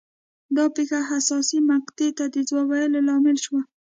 دا پېښه حساسې مقطعې ته د ځواب ویلو لامل شوه.